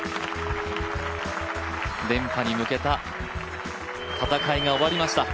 連覇に向けた戦いが終わりました。